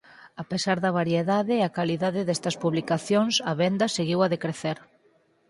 A pesar da variedade e a calidade destas publicacións a venda seguiu a decrecer.